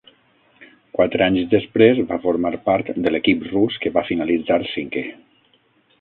Quatre anys després, va formar part de l'equip rus que va finalitzar cinquè.